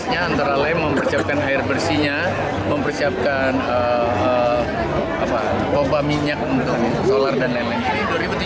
antara lain mempersiapkan air bersihnya mempersiapkan pompa minyak untuk solar dan lain lain